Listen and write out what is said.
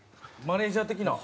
マネジャー的な？